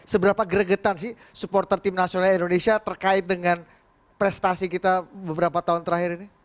seberapa gregetan sih supporter tim nasional indonesia terkait dengan prestasi kita beberapa tahun terakhir ini